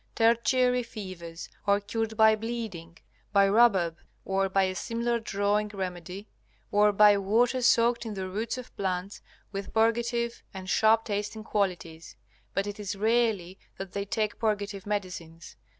Tertiary fevers are cured by bleeding, by rhubarb or by a similar drawing remedy, or by water soaked in the roots of plants, with purgative and sharp tasting qualities. But it is rarely that they take purgative medicines.